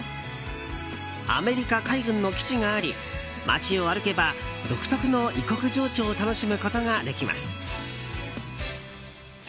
アメリカ海軍の基地があり街を歩けば独特の異国情緒を楽しむことができます。